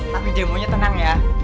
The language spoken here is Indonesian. tapi demonya tenang ya